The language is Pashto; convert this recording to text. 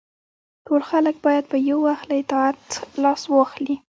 ټول خلک باید په یو وخت له اطاعت لاس واخلي.